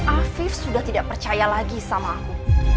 afif sudah tidak percaya lagi sama aku